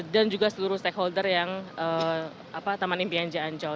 dan juga seluruh stakeholder yang taman impian jaya ancol